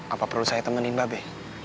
apa perlu saya temenin babe